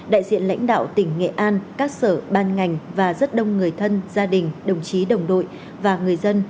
đại diện lãnh đạo tỉnh nghệ an các sở ban ngành và rất đông người thân gia đình đồng chí đồng đội và người dân